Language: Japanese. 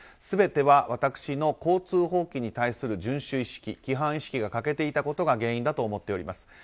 全ては私の交通法規に対する順守意識規範意識が欠けていたことが原因だと思っております。